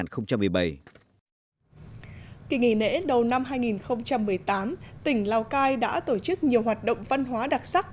kỳ nghỉ lễ đầu năm hai nghìn một mươi tám tỉnh lào cai đã tổ chức nhiều hoạt động văn hóa đặc sắc